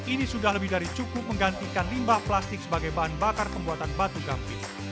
ini sudah lebih dari cukup menggantikan limbah plastik sebagai bahan bakar pembuatan batu gampis